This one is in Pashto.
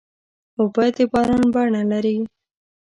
اوبه د باران بڼه لري.